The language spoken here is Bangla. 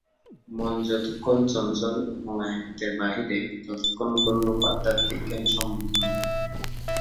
মন যতক্ষণ চঞ্চল এবং আয়ত্তের বাহিরে, ততক্ষণ কোনরূপ আধ্যাত্মিক জ্ঞান সম্ভব নয়।